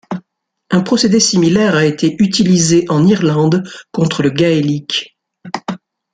Un procédé similaire a été utilisé en Irlande contre le gaélique.